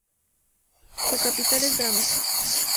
Su capital es Drama.